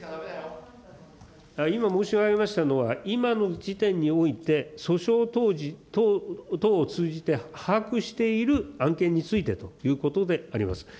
今申し上げましたのは、今の時点において、訴訟等を通じて把握している案件についてということであります。